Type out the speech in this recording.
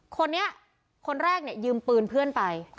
คนนี้คนแรกเนี่ยยืมปืนเพื่อนไป